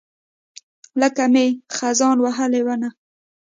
لکه مئ، خزان وهلې ونه